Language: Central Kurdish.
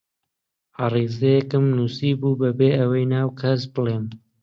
عەریزەیەکم نووسیبوو بەبێ ئەوە ناو کەس بڵێم: